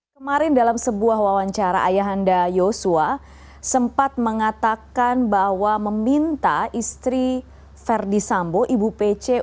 kemarin dalam sebuah wawancara ayahanda yosua sempat mengatakan bahwa meminta istri verdi sambo ibu pece